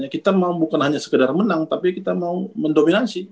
kita mau bukan hanya sekedar menang tapi kita mau mendominasi